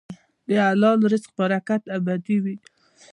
د حلال رزق برکت ابدي وي.